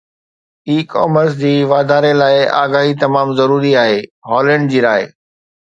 اي commerce جي واڌاري لاءِ آگاهي تمام ضروري آهي، هالينڊ جي راڻي